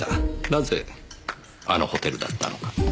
なぜあのホテルだったのか。